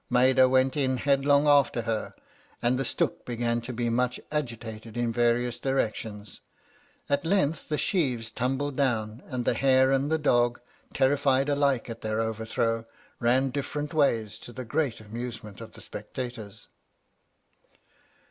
Maida went in headlong after her, and the stook began to be much agitated in various directions. At length the sheaves tumbled down; and the hare and the dog, terrified alike at their overthrow, ran different ways, to the great amusement of the spectators."